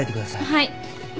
はい。